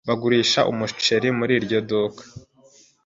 Bagurisha umuceri muri iryo duka.